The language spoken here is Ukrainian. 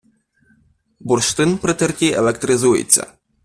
Бурштин при терті електризується